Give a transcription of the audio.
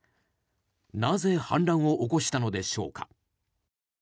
なぜ、反乱を起こしたのでしょうか。